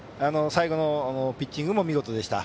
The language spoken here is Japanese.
最後のピッチングも見事でした。